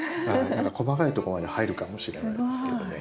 細かいとこまで入るかもしれないですけどね。